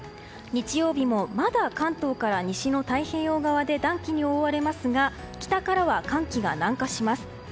日曜日もまだ関東から西の太平洋側で暖気に覆われますが北からは寒気が南下します。